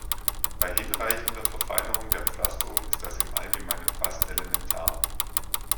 Bei hinreichender Verfeinerung der "Pflasterung" ist das im Allgemeinen fast elementar.